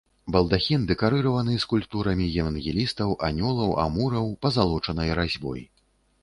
Балдахін дэкарыраваны скульптурамі евангелістаў, анёлаў, амураў, пазалочанай разьбой.